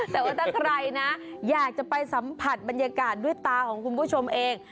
แต่ว่าถ้าใครนะอยากจะไปสัมผัสบรรยากาศด้วยตาของคุณผู้ชมเอง